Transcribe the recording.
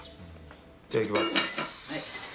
いただきます。